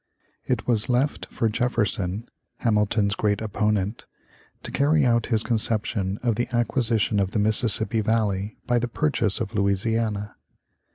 It was left for Jefferson, Hamilton's great opponent, to carry out his conception of the acquisition of the Mississippi valley by the purchase of Louisiana.